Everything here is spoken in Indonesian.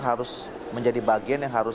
harus menjadi bagian yang harus